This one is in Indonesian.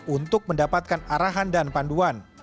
untuk mendapatkan arahan dan panduan